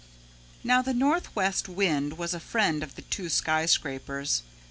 Now the Northwest Wind was a friend of the two skyscrapers.